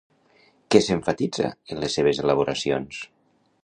Què s'emfatitza en les seves elaboracions?